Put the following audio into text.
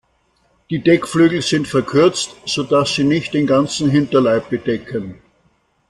Die Deckflügel sind verkürzt, so dass sie nicht den ganzen Hinterleib bedecken.